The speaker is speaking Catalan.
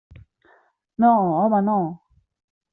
No, home, no!